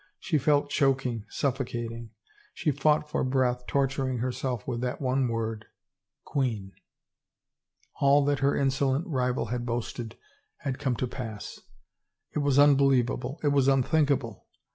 She felt choking, suffocating. She fought for breath, torturing herself with that one word — queen. All that her insolent rival had boasted had come to pass. It was unbelievable, it was unthinkable.